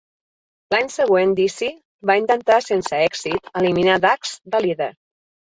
L'any següent Deasy va intentar sense èxit eliminar Dukes de líder.